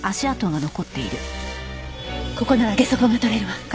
ここならゲソ痕がとれるわ。